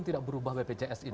tidak berubah bpjs ini